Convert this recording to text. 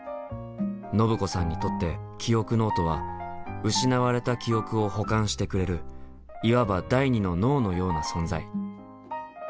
ノブ子さんにとって「記憶ノート」は失われた記憶を補完してくれるいわば第２の脳のような存在。